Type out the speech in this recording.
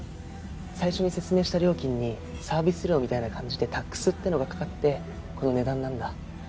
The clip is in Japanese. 最初に説明した料金にサービス料みたいな感じでタックスっていうのがかかってこの値段なんだ。